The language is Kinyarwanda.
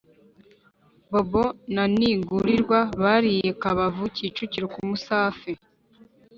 bobo na nigurirwa bariye kabafu Kicukiro ku musafe